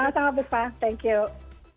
sangat sangat terima kasih